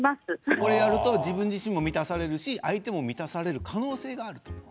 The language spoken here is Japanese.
これをやると自分自身も満たされるし相手も満たされる可能性がある。